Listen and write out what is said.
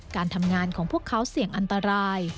การทำงานของพวกเขาเสี่ยงอันตราย